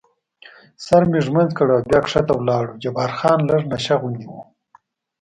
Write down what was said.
سر مې ږمنځ کړ او بیا کښته ولاړو، جبار خان لږ نشه غوندې و.